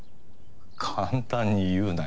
簡単に言うなよ。